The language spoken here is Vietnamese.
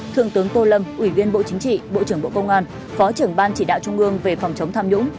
thượng tướng tô lâm ủy viên bộ chính trị bộ trưởng bộ công an phó trưởng ban chỉ đạo trung ương về phòng chống tham nhũng